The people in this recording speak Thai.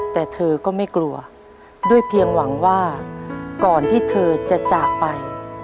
แต่เธอก็ไม่กลัวด้วยเพียงหวังว่าก่อนที่เธอจะจากไป